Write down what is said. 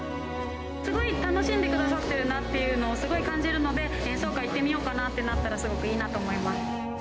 すごい楽しんでくださっているなというのをすごい感じるので、演奏会行ってみようかなってなったら、すごくいいなと思います。